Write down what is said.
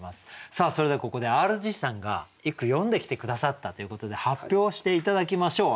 さあそれではここでＲＧさんが一句詠んできて下さったということで発表して頂きましょう。